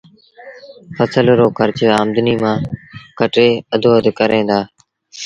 ڦسل رو کرچ آمدنيٚ مآݩ ڪٽي اڌو اڌ ڪريݩ دآ